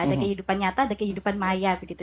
ada kehidupan nyata ada kehidupan maya begitu